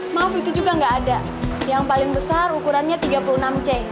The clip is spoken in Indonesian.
maaf itu juga nggak ada yang paling besar ukurannya tiga puluh enam c